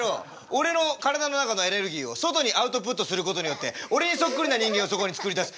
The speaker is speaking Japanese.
俺の体の中のエネルギーを外にアウトプットすることによって俺にそっくりな人間をそこに作り出す。